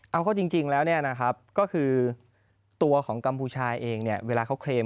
เอาเขาจริงแล้วก็คือตัวของกัมภูชายเองเวลาเขาเคลม